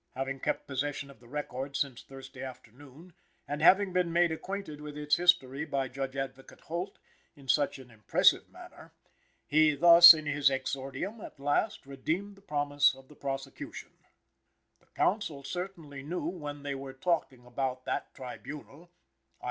Having kept possession of the record since Thursday afternoon, and having been made acquainted with its history by Judge Advocate Holt in such an impressive manner, he, thus, in his exordium, at last, redeemed the promise of the prosecution: "The counsel certainly knew when they were talking about that tribunal" (_i.